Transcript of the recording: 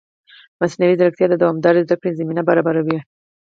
مصنوعي ځیرکتیا د دوامدارې زده کړې زمینه برابروي.